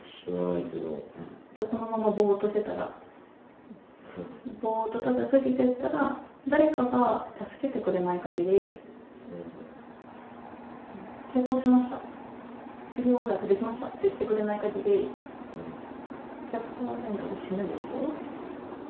じゃあ、このままぼーっとしてたら、ぼーっとただ過ぎてたら、誰かが助けてくれないかぎり、成功しました、治療薬出来ましたって言ってくれないかぎり、１００％で死ぬでしょ。